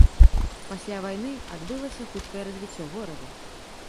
Пасля вайны адбылася хуткае развіццё горада.